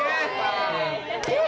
dua kali deh